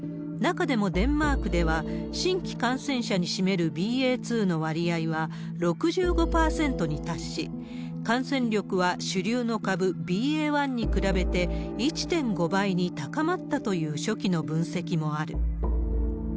中でもデンマークでは、新規感染者に占めるＢＡ．２の割合は６５％に達し、感染力は主流の株、ＢＡ．１に比べて、１．５倍に高まったという初期の分析もある。